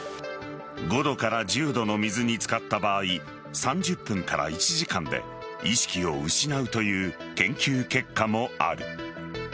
５度から１０度の水に浸かった場合３０分から１時間で意識を失うという研究結果もある。